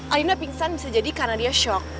alina pingsan bisa jadi karena dia shock